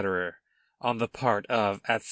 "On the part of, etc."